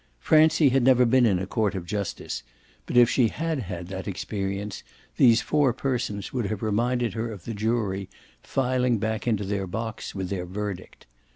Francie had never been in a court of justice, but if she had had that experience these four persons would have reminded her of the jury filing back into their box with their verdict.